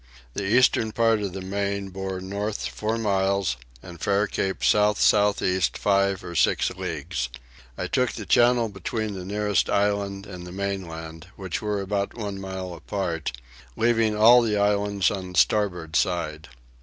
The eastern part of the main bore north four miles, and Fair Cape south south east five or six leagues. I took the channel between the nearest island and the mainland, which were about one mile apart, leaving all the islands on the starboard side.